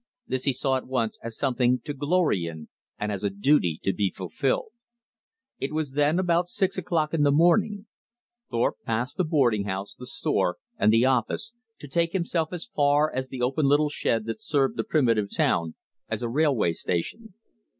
This he saw at once as something to glory in and as a duty to be fulfilled. It was then about six o'clock in the morning. Thorpe passed the boarding house, the store, and the office, to take himself as far as the little open shed that served the primitive town as a railway station.